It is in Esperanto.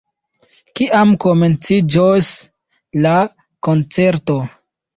Kiam komenciĝos la koncerto?